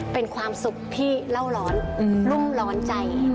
เป็นความสุขที่เล่าร้อนรุ่มร้อนใจ